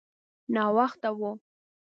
ناوخته و.